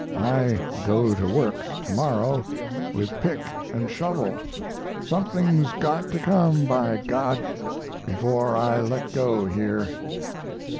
I go to work to morrow with pick and shovel. Something's got to come, by G , before I let go here.